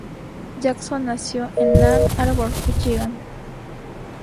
Jackson nació en Ann Arbor, Michigan.